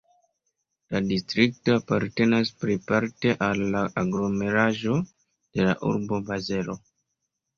La distrikto apartenas plejparte al la aglomeraĵo de la urbo Bazelo.